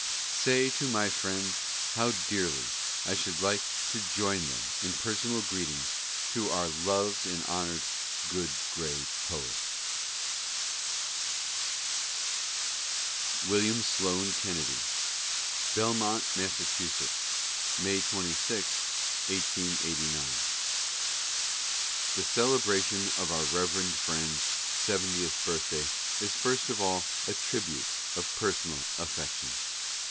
Say to my friends how dearly I should like to 58 LETTERS. join them in personal greetings to our loved and honored Good Gray Poet. William Sloane Kennedy: Belmont, Mass., May 26, 1889. The celebration of our revered friend's seventieth birthday is first of all a tribute of personal affection.